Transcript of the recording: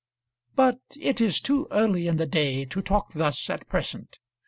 But it is too early in the day to talk thus at present.